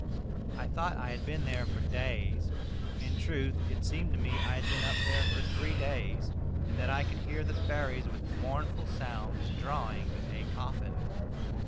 I thought I had been there for days ; in truth, it seemed to me I had been up there for three days, and that I could hear the fairies with mournful sounds drawing a coffin.